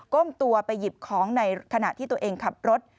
้มตัวไปหยิบของในขณะที่ตัวเองขับรถ